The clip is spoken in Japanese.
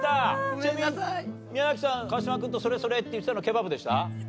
ちなみに宮崎さん川島君とそれそれ！って言ってたのケバブでした？